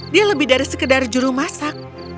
dia lebih dari sekedar jurumasak